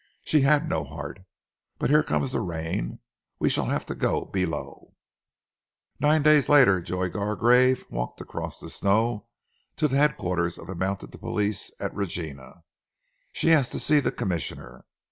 "She had no heart.... But here comes the rain. We shall have to go below." Nine days later Joy Gargrave walked across the snow to the headquarters of the Mounted Police at Regina, and asked, to see the Commissioner.